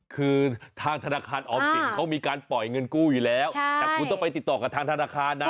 คือทางธนาคารออมสินเขามีการปล่อยเงินกู้อยู่แล้วแต่คุณต้องไปติดต่อกับทางธนาคารนะ